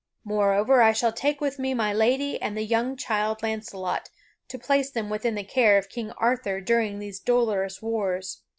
Moreover, I shall take with me my lady and the young child Launcelot, to place them within the care of King Arthur during these dolorous wars.